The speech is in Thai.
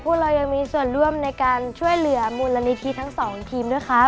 พวกเรายังมีส่วนร่วมในการช่วยเหลือมูลนิธิทั้งสองทีมด้วยครับ